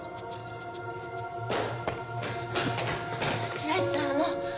白石さんあの。